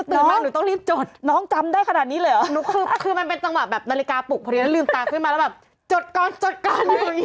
อุ๊ยหนูได้หลายตัวเลยอะมีแหละ๓ตัวกับ๒ตัวหลายตัวเลย